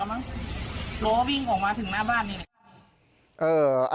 ล้ววิ่งออกมาถึงหน้าบ้าน